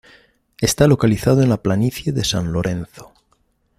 Está localizado en la planicie de San Lorenzo.